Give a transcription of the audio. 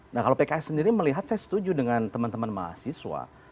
nah kalau pks sendiri melihat saya setuju dengan teman teman mahasiswa